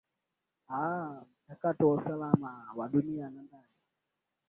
aah mchakato wa usalama wa dunia na ndani